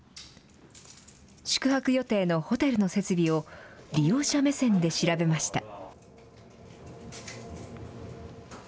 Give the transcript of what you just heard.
宿泊予定のホテルの設備を、利用者目線で調べました。